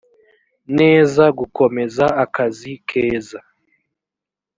neza gukomeza akazi keza